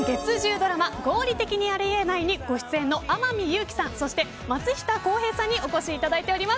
ドラマ合理的にあり得ないにご出演の天海祐希さん、そして松下洸平さんにお越しいただいております。